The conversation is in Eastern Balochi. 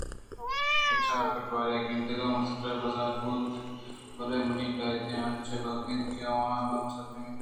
بچار پٹواری کندگ ءُ مسکرا باز بوت بلئے منی لہتیں انچیں کاگد اَنت کہ آوان الّم ءَسرجم کنگی اِنت